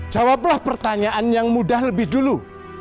jawablah pertanyaan yang mudah lebih dulu